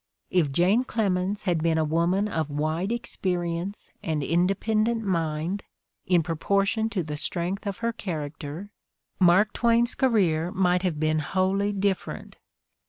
If Jane Clemens had been a woman of wide experience and independent mind, in proportion to the strength of her character, Mark Twain's career might have been wholly diiferent.